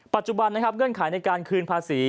ปัจจุบันเนื่องขายในการคืนภาษี